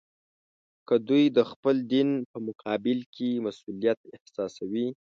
که دوی د خپل دین په مقابل کې مسوولیت احساسوي.